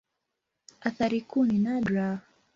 Athari kuu ni nadra.